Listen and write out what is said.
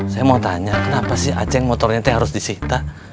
saya mau tanya kenapa sih aceh motornya itu harus disita